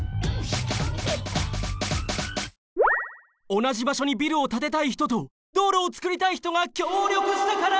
おなじばしょにビルを建てたい人と道路を造りたい人が協力したから！